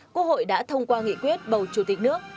quốc hội đã thông qua nghị quyết bầu chủ tịch nước